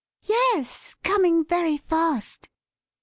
"Yes. Coming very fast."